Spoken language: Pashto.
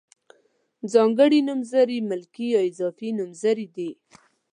ځانګړي نومځري ملکي یا اضافي نومځري دي.